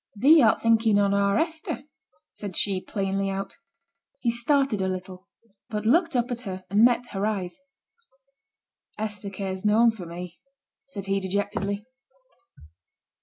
'Thee art thinking on our Hester,' said she, plainly out. He started a little, but looked up at her and met her eyes. 'Hester cares noane for me,' said he, dejectedly.